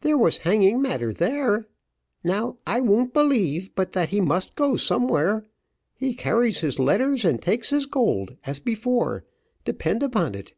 There was hanging matter there. Now I won't believe but that he must go somewhere; he carries his letters, and takes his gold as before, depend upon it.